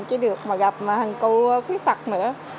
chỉ được gặp hàng cụ khuyết tặc nữa